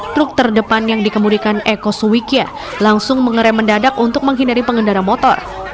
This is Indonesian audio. truk terdepan yang dikemudikan eko suwikia langsung mengeram mendadak untuk menghindari pengendara motor